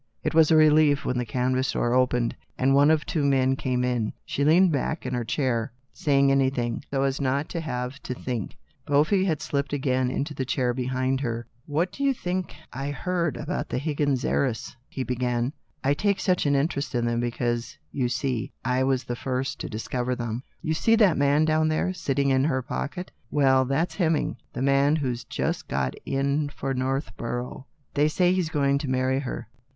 It was a relief when the canvas door opened, and one or two men came in. She leaned back in her chair, saying anything, so as not to have to think. The pale faced boy had slipped again into the chair behind her. " What do you think I heard about the r SlO " THE BTOBT OF A MODERN WOMAN. Higgins' heiress apparent?" he began. "I take such an interest in them, because, you see, I was the first to discover them. You see that man down there, sitting in her pocket? Well, that's Hemming, the man who's just in for Northborough. They say he's going to marry her."